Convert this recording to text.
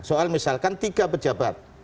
soal misalkan tiga pejabat